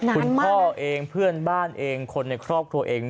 คุณพ่อเองเพื่อนบ้านเองคนในครอบครัวเอง